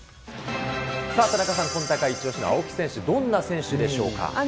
さあ、田中さん、今大会イチ押しの青木選手、どんな選手でしょうか。